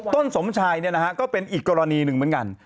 ต้นสมชายเนี่ยนะฮะก็เป็นอีกกรณีหนึ่งเหมือนกัน